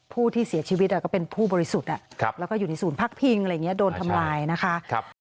ผู้ที่เสียชีวิตก็เป็นผู้บริสุทธิ์แล้วก็อยู่ในศูนย์พักพิงอะไรอย่างนี้โดนทำลายนะคะ